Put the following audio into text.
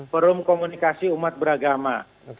forum komunikasi umat beragama